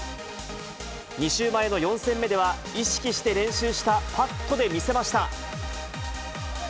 ２週前の４戦目では、意識して練習したパットで見せました。